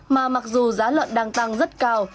mà mặc dù giá lợn đang tăng rất cao